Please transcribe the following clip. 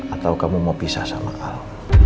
atau kamu mau pisah sama allah